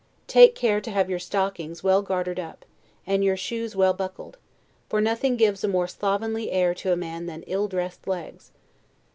Take care to have your stockings well gartered up, and your shoes well buckled; for nothing gives a more slovenly air to a man than ill dressed legs.